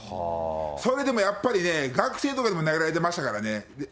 それでもやっぱりね、学生とかでも投げられてましたからね。